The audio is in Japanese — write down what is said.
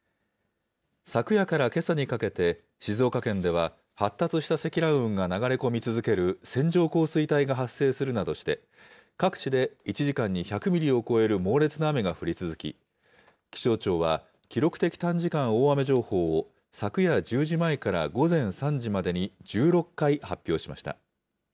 昨夜からけさにかけて、静岡県では発達した積乱雲が流れ込み続ける線状降水帯が発生するなどして、各地で１時間に１００ミリを超える猛烈な雨が降り続き、気象庁は記録的短時間大雨情報を、昨夜１０時前から午前３時までに１６回発表しました。